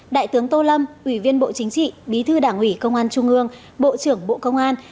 đại tướng tô lâm ủy viên bộ chính trị bí thư đảng ủy công an trung ương bộ trưởng bộ công an